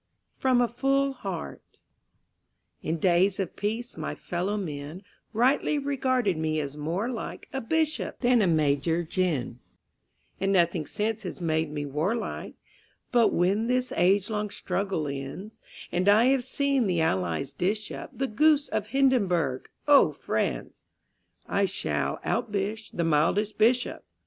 FROM A FULL HEART In days of peace my fellow men Rightly regarded me as more like A Bishop than a Major Gen., And nothing since has made me warlike; But when this age long struggle ends And I have seen the Allies dish up The goose of Hindenburg oh, friends! I shall out bish the mildest Bishop.